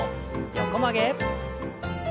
横曲げ。